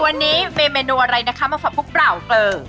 หลสเอาวันนี้ไปเมนูอะไรนะคะมาพักพลุกเปล่าเกลือ